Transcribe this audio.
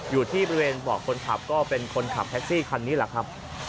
อยู่ที่บริเวณเบาะคนขับก็เป็นคนขับแท็กซี่คันนี้แหละครับ